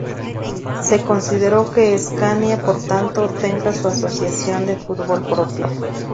Se consideró que Escania por tanto tenga su asociación de fútbol propia.